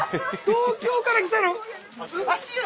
東京から来たの？